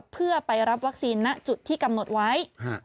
เพื่อไปรับวัคซีนณจุดที่กำหนดไว้